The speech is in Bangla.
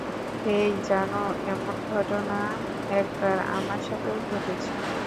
হেই, জানো, এমন ঘটনা একবার আমার সাথেও ঘটেছে।